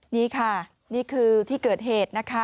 นี่ค่ะนี่คือที่เกิดเหตุนะคะ